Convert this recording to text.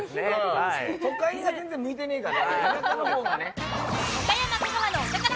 都会には全然向いてねえから。